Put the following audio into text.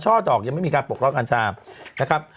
ดอกยังไม่มีการปกล็อกกัญชานะครับ